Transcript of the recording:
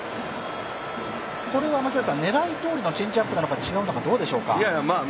これは狙い通りのチャンジアップなのかどうなんでしょうか？